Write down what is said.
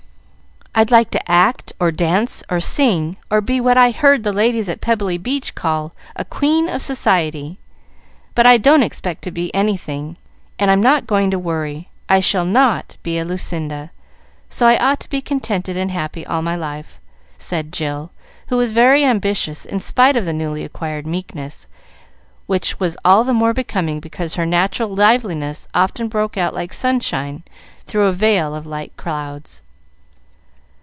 I'd like to act, or dance, or sing, or be what I heard the ladies at Pebbly Beach call a 'queen of society.' But I don't expect to be anything, and I'm not going to worry I shall not be a Lucinda, so I ought to be contented and happy all my life," said Jill, who was very ambitious in spite of the newly acquired meekness, which was all the more becoming because her natural liveliness often broke out like sunshine through a veil of light clouds.